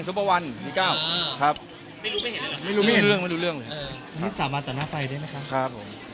สามารถต่อหน้าไฟด้วยไหมคะ